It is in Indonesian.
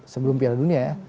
sebelum piala dunia ya